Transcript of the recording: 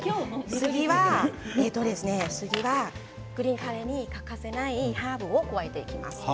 次はグリーンカレーに欠かせないハーブを加えていきます。